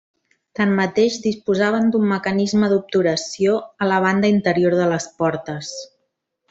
Tanmateix disposaven d'un mecanisme d'obturació a la banda interior de les portes.